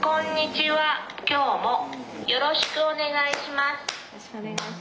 よろしくお願いします。